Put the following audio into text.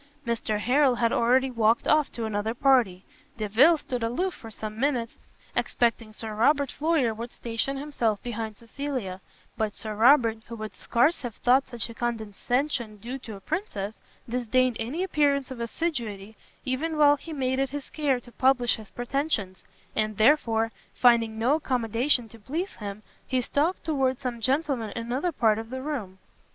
Mr Harrel had already walked off to another party: Delvile stood aloof for some minutes, expecting Sir Robert Floyer would station himself behind Cecilia; but Sir Robert, who would scarce have thought such a condescension due to a princess, disdained any appearance of assiduity, even while he made it his care to publish his pretensions: and therefore, finding no accommodation to please him, he stalked towards some gentlemen in another part of the room.